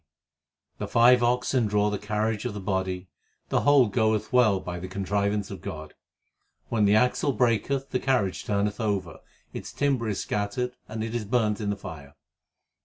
350 THE SIKH RELIGION The five oxen l draw the carriage of the body : The whole goeth well by the contrivance of God. When the axle breaketh, the carriage turneth over ; Its timber is scattered and it is burnt in the fire.